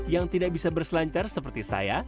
yang tidak bisa berselancar seperti saya